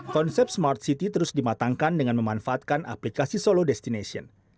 konsep smart city terus dimatangkan dengan memanfaatkan aplikasi solo destination